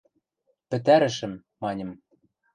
– Пӹтӓрӹшӹм, – маньым.